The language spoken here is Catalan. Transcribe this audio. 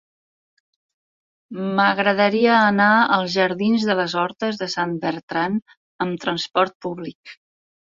M'agradaria anar als jardins de les Hortes de Sant Bertran amb trasport públic.